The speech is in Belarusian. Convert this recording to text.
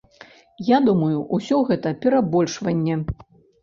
Я думаю, усё гэта перабольшванне.